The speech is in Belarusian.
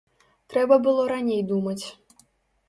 Трэба было раней думаць.